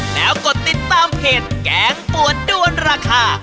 แล้วกดติดตามเพจแกงปวดด้วนราคา